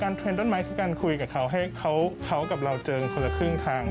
เทรนดต้นไม้คือการคุยกับเขาให้เขากับเราเจอกันคนละครึ่งทาง